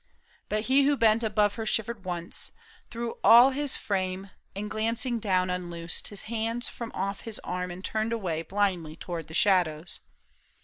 PAUL ISHAM. 55 But he who bent above her shivered once Through all his frame, and, glancing down, un loosed Her hands from off his arm and turned away Blindly toward the shadows.